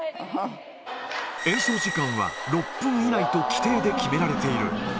演奏時間は６分以内と、規定で決められている。